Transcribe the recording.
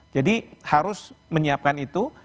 jadi harus menyiapkan itu